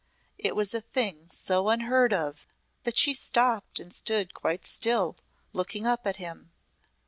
It was a thing so unheard of that she stopped and stood quite still, looking up at him.